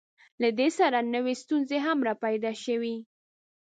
له دې سره نوې ستونزې هم راپیدا شوې.